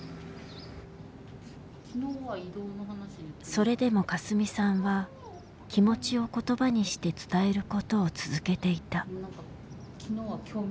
それでもかすみさんは気持ちを言葉にして伝えることを続けていた。